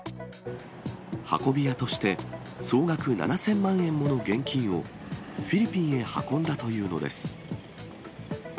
運び屋として、総額７０００万円もの現金を、フィリピンへ運んだというのです。